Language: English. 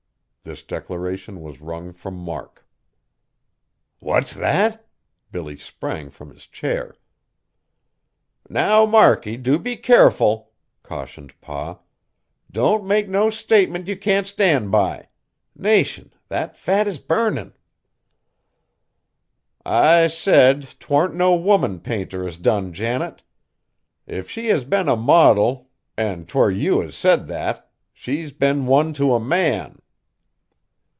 This declaration was wrung from Mark. "What's that?" Billy sprang from his chair. "Now, Markie, do be keerful!" cautioned Pa, "don't make no statement ye can't stand by. Nation! that fat is burnin'!" "I said, 'twarn't no woman painter as done Janet. If she has been a modil an' 'twere you as said that she's been one to a man!"